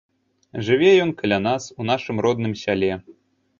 Жыве ён каля нас, у нашым родным сяле.